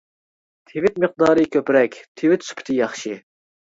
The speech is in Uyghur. تىۋىت مىقدارى كۆپرەك، تىۋىت سۈپىتى ياخشى.